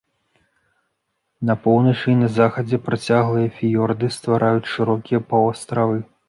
На поўначы і на захадзе працяглыя фіёрды ствараюць шырокія паўастравы.